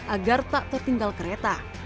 agar tak tertinggal kereta